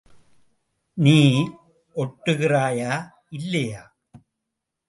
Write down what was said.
நீ ஒட்டுகிறாயா, இல்லையா?